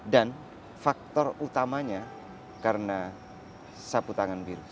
dan faktor utamanya karena sapu tangan biru